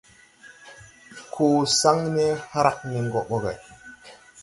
Koo saŋne hrag nen gɔ bɔgge.